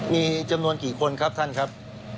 มีจำนวนกี่คนครับท่านครับ